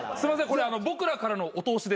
これ僕らからのお通しです。